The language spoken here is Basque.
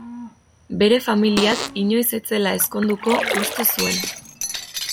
Bere familiak inoiz ez zela ezkonduko uste zuen.